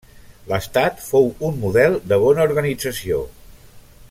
L'estat fou un model de bona organització.